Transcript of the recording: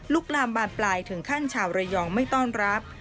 ลามบานปลายถึงขั้นชาวระยองไม่ต้อนรับ